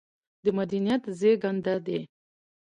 د مدنيت زېږنده دى